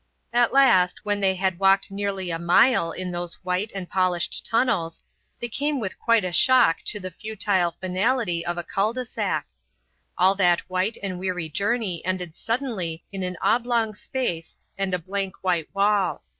At last, when they had walked nearly a mile in those white and polished tunnels, they came with quite a shock to the futile finality of a cul de sac. All that white and weary journey ended suddenly in an oblong space and a blank white wall.